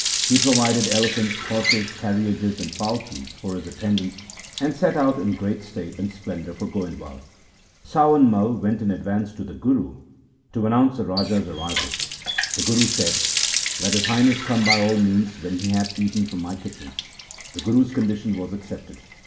He provided elephants, horses, carriages, and palkis for his attendants, and set out in great state and splen dour for Goindwal. Sawan Mai went in advance to the Guru to announce the Raja's arrival. The Guru said, ' Let His Highness come by all means when he hath eaten from my kitchen.' The Guru's condition was accepted.